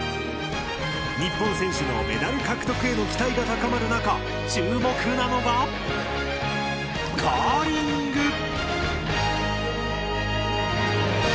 日本選手のメダル獲得への期待が高まるなか注目なのがカーリング！